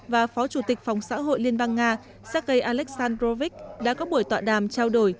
và phó chủ tịch phòng xã hội liên bang nga sergei alexandrovich đã có buổi tọa đàm trao đổi